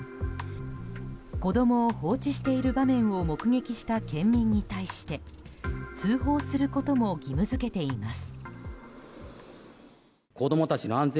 子供を放置している場面を目撃した県民に対して、通報することも義務付けています。